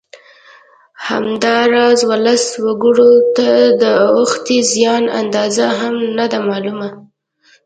همداراز ولسي وګړو ته د اوښتې زیان اندازه هم نه ده معلومه